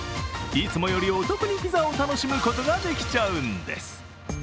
いつもよりお得にピザを楽しむことができちゃうんです。